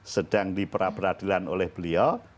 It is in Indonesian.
sedang diperadilan oleh beliau